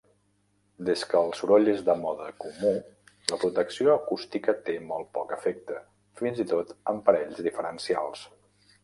Des que el soroll és de mode comú, la protecció acústica té molt poc efecte, fins i tot amb parells diferencials.